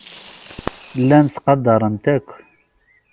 Llan ttqadaren-t akk.